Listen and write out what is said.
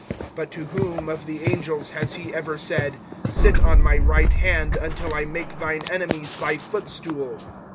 (13)But to whom of the angels has he ever said: Sit on my right hand, Until I make thine enemies thy footstool.